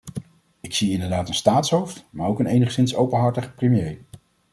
Ik zie inderdaad een staatshoofd, maar ook een enigszins openhartig premier.